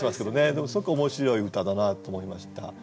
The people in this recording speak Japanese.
でもすごく面白い歌だなと思いました。